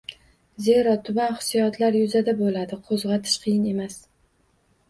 Zero, tuban hissiyotlar yuzada bo‘ladi — qo‘zg‘atish qiyin emas.